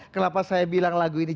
kenapa saya bilang lagu ini